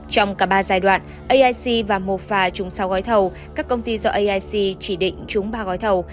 trong cả ba giai đoạn aic và mofa trúng sáu gói thầu các công ty do aic chỉ định trúng ba gói thầu